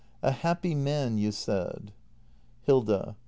] A happy man you said Hilda.